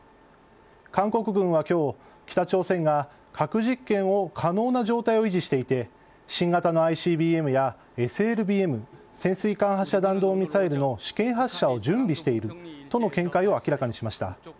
韓国軍は今日北朝鮮が核実験を可能な状態を維持していて新型のＩＣＢＭやＳＬＢＭ・潜水艦発射弾道ミサイルの試験発射を準備しているとの見解を明らかにしました。